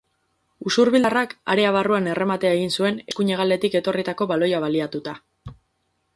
Usurbildarrak area barruan errematea egin zuen eskuin hegaletik etorritako baloia baliatuta.